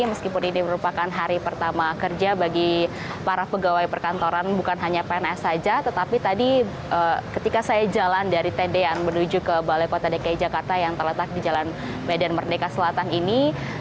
meskipun ini merupakan hari pertama kerja bagi para pegawai perkantoran bukan hanya pns saja tetapi tadi ketika saya jalan dari tendean menuju ke balai kota dki jakarta yang terletak di jalan medan merdeka selatan ini